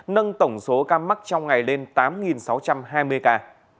nâng tổng số ca mắc trong ngày lên tám sáu trăm hai mươi ca